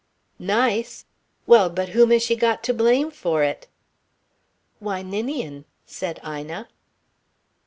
"Nice? Well, but whom has she got to blame for it?" "Why, Ninian," said Ina.